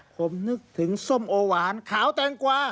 ผมนึกถึงส้มโอหวานขาวแตงกวา